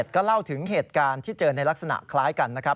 ก็เล่าถึงเหตุการณ์ที่เจอในลักษณะคล้ายกันนะครับ